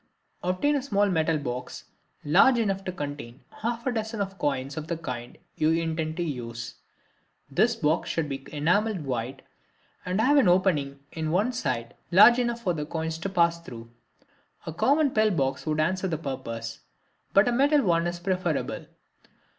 Obtain a small metal box large enough to contain half a dozen coins of the kind you intend to use. This box should be enameled white and have an opening in one side large enough for the coins to pass through. A common pill box would answer the purpose, but a metal one is preferable.